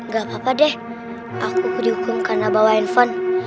gak apa apa deh aku dihukum karena bawa handphone